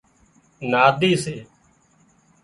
نادي سي